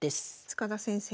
塚田先生